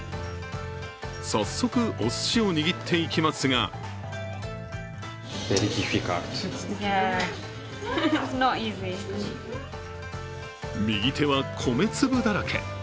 早速、おすしを握っていきますが右手は米粒だらけ。